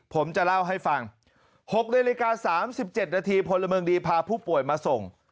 ผมจะเล่าให้ฟัง๖นาฬิกา๓๗นาทีพลเมืองดีพาผู้ป่วยมาส่ง